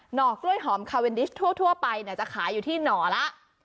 ห่อกล้วยหอมคาเวนดิชทั่วไปจะขายอยู่ที่หน่อละ